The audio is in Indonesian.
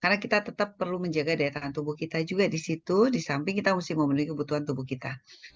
karena kita tetap perlu menjaga daya tangan tubuh kita juga di situ di samping kita mesti memenuhi kebutuhan tubuh kita